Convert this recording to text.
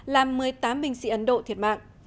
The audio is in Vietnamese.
làm một mươi tám binh sĩ ấn độ thiệt mạng